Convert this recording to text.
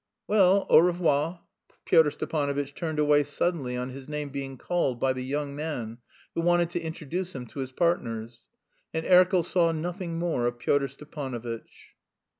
"Well, au revoir," Pyotr Stepanovitch turned away suddenly on his name being called by the young man, who wanted to introduce him to his partners. And Erkel saw nothing more of Pyotr Stepanovitch.